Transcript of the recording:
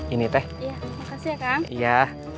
ini teh ya